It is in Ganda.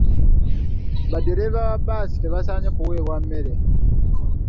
Baddereeva ba bbaasi tebasaanye kuweebwa mmere.